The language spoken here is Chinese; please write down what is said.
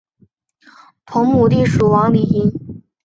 同母弟蜀王李愔。